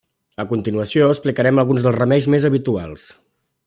A continuació explicarem alguns dels remeis més habituals.